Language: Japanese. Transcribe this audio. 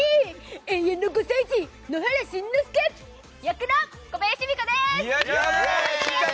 永遠の５歳児野原しんのすけ役の小林由美子です。